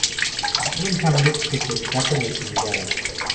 El joven Hamlet se percata de su mirada.